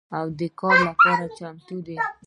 او د کار لپاره چمتو دي